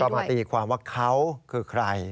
มาตีความว่าเขาคือใคร